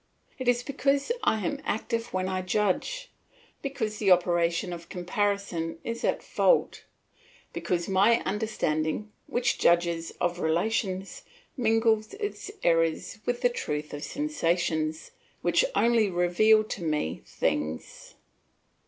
It is because I am active when I judge, because the operation of comparison is at fault; because my understanding, which judges of relations, mingles its errors with the truth of sensations, which only reveal to me things.